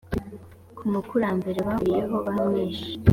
ku mukurambere bahuriyeho bamwishe